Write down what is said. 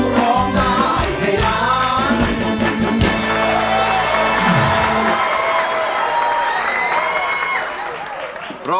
ร้องได้ให้ล้าน